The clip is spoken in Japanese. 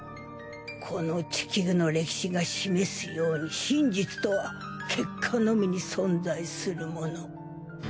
この地球の歴史が示すように真実とは結果のみに存在するもの。